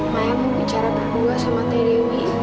saya ingin berbicara denganmu dengan teh dewi